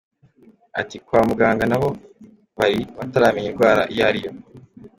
Ati “Kwa muganga na bo bari bataramenya indwara iyo ari yo.